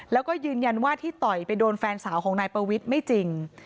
แล้วก็ยืนยันว่าที่ต่อยไปโดนแฟนสาวของนายปวิทย์ไม่จริง